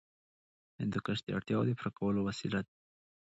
هندوکش د اړتیاوو د پوره کولو وسیله ده.